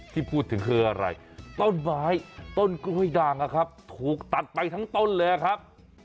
ที่พูดถึงคืออะไรต้นไม้ต้นกล้วยด่างนะครับถูกตัดไปทั้งต้นเลยครับ